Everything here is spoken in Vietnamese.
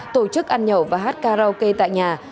tổ chức ăn nhậu và hát karaoke tại nhà